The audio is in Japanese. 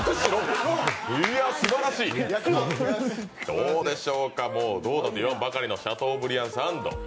どうでしょうか、どうぞと言わんばかりのシャトーブリアンサンド。